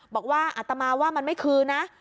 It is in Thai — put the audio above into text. บอกว่าอัตมาว่ามันไม่คืนนะ